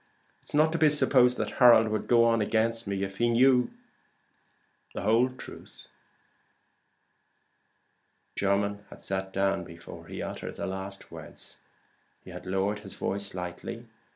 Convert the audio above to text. It is not to be supposed that Harold would go on against me if he knew the whole truth." Jermyn had sat down before he uttered the last words. He had lowered his voice slightly.